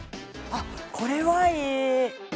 あっこれはいい